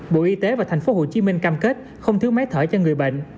bộ y tế và tp hcm cam kết không thiếu máy thở cho người bệnh